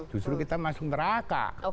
justru kita masuk neraka